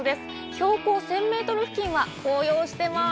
標高１０００ｍ付近は紅葉してます。